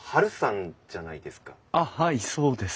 あっはいそうです。